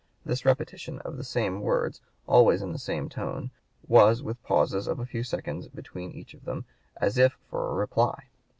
This repetition of the same words, always in the same tone, was with pauses of a few seconds between each of them, as if for a reply.